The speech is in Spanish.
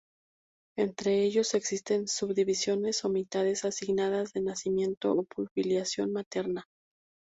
Entre ellos existen subdivisiones o mitades, asignadas de nacimiento o por filiación materna.